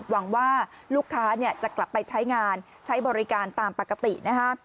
หวังว่าลูกค้าจะกลับไปใช้งานใช้บริการตามปกตินะฮะ